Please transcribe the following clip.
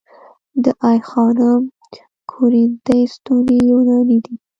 د آی خانم کورینتی ستونې یوناني دي